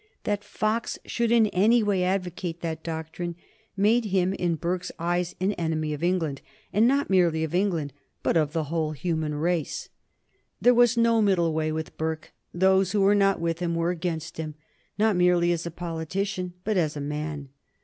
That Fox should in any way advocate that doctrine made him in Burke's eyes an enemy of England, and not merely of England but of the whole human race. There was no middle way with Burke. Those who were not with him were against him, not merely as a politician, but as a man.